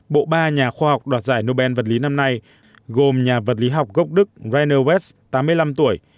bộ ba nhà khoa học đoạt giải nobel vật lý năm nay gồm nhà vật lý học gốc đức rinew west tám mươi năm tuổi